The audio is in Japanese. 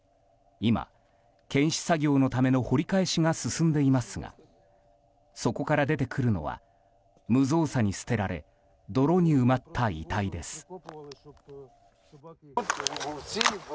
今、検視作業のための掘り返しが進んでいますがそこから出てくるのは無造作に捨てられ泥に埋まった遺体です。